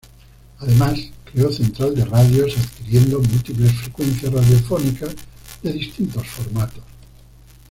Además creó Central de Radios, adquiriendo múltiples frecuencias radiofónicas de distintos formatos.